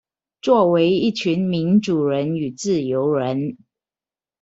作為一群民主人與自由人